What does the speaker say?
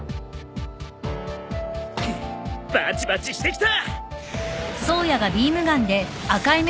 フッバチバチしてきた！